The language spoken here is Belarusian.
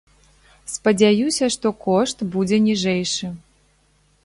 Спадзяюся, што кошт будзе ніжэйшы.